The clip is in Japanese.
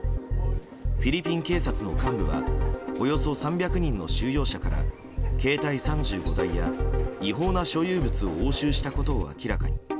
フィリピン警察の幹部はおよそ３００人の収容者から携帯３５台や、違法な所有物を押収したことを明らかに。